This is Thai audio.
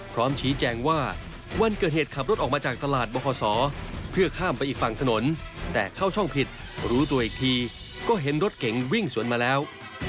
พร้อมชี้แจงว่าวันเกิดเหตุขับรถออกมาจากตลาดบคศเพื่อข้ามไปอีกฝั่งถนนแต่เข้าช่องผิดรู้ตัวอีกทีก็เห็นรถเก๋งวิ่งสวนมาแล้ว